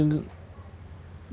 kamu gak bikinin